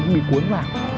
bị cuốn vào